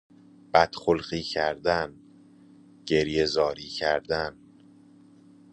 بد خلقی کردن، گریهزاری کردن